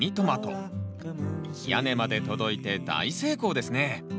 屋根まで届いて大成功ですね。